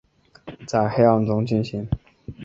在黑暗中进行